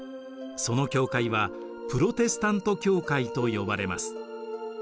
その教会はプロテスタント教会と呼ばれます。